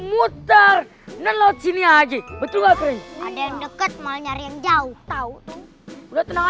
putar putar menurut sini aja betul betul ada yang dekat mau nyari yang jauh tahu udah tenang